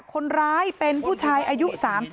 คนร้ายเป็นผู้ชายอายุ๓๒